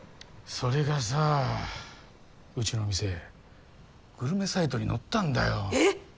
それがさうちの店グルメサイトに載ったんだよえっ！